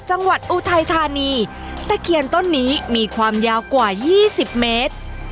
จังหวัดอุทัยธานีตะเคียนต้นนี้มีความยาวกว่ายี่สิบเมตร